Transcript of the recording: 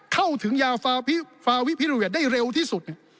เข้าถึงยาฟาวิพิโรเวทได้เร็วที่สุด